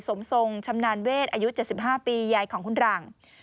สมทรงชำนาญเวทอายุ๗๕ปียายของคุณหลัง